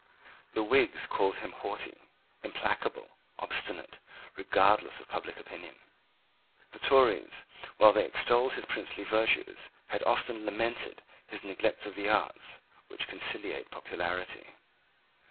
The Whigs called him haughty, implacable, obstinate, regardless of public opinion. The Tories, while they extolled his princely virtues, had often lamented his neglect of the arts which conciliate popularity.